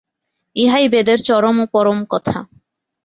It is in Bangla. ইহাই বেদের চরম ও পরম কথা।